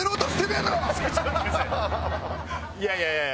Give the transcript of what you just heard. いやいやいやいや。